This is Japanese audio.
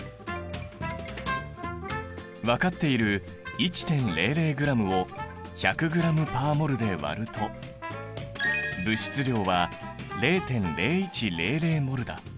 分かっている１．００ｇを１００ｇ／ｍｏｌで割ると物質量は０．０１００ｍｏｌだ。